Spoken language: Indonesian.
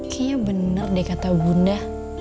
kaya bener deh kata bunda